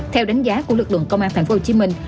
theo đánh giá của lực lượng công an thành phố hồ chí minh